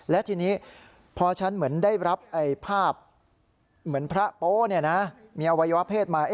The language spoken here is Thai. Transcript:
และทีนี้พอฉันเหมือนได้รับภาพเหมือนพระโป๊มีอวัยวะเพศมา